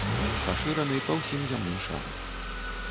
Пашыраны па ўсім зямным шары.